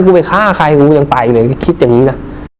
กูไปฆ่าใครกูยังไปเลยคิดอย่างนี้นะ